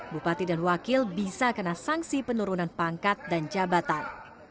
bupati dan wakil bisa kena sanksi penurunan pangkat dan jabatan